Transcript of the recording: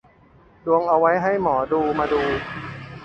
ดวงเอาไว้ให้หมอดูมาดู